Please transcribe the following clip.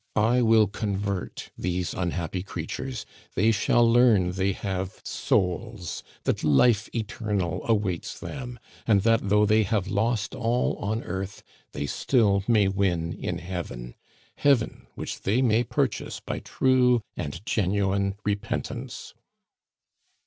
I will convert these unhappy creatures, they shall learn they have souls, that life eternal awaits them, and that though they have lost all on earth, they still may win heaven Heaven which they may purchase by true and genuine repentance."